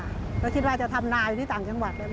แล้วคิดว่าจะทำนายที่ต่างจังหวัด